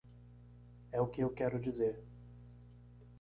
É o que eu quero dizer.